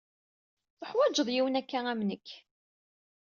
Tuḥwaǧeḍ yiwen akka am nekk.